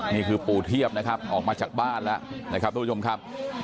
นี่คือปู่เทียบนะครับออกมาจากบ้านแล้วนะครับทุกผู้ชมครับ